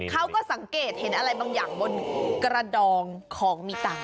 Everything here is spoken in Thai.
เขาก็สังเกตเห็นอะไรบางอย่างบนกระดองของมีต่าง